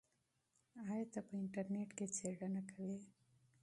آیا ته په انټرنیټ کې څېړنه کوې؟